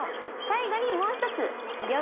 最後にもう一つ玉。